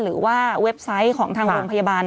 เว็บไซต์ของทางโรงพยาบาล